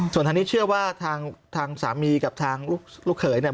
ส่วนทางนี้เชื่อว่าทางสามีกับทางลูกเขยเนี่ย